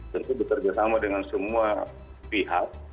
tentu bekerja sama dengan semua pihak